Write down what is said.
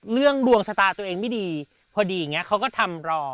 เรื่องดวงชะตาตัวเองไม่ดีพอดีเนี่ยเขาก็ทำรอ